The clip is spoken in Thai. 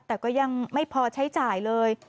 แต่ก็ยังไม่พอใช้จ่ายเลย